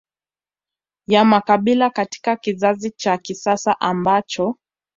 ya makabila katika kizazi cha kisasa ambacho